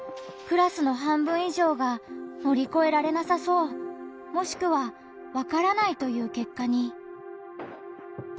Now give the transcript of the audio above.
クラスの半分以上が「乗り越えられなさそう」もしくは「わからない」という結果に。